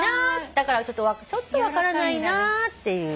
だからちょっと分からないなっていう。